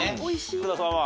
福田さんは？